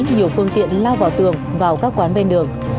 nhiều phương tiện lao vào tường vào các quán ven đường